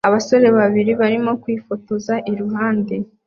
Abasore babiri barimo kwifotoza iruhande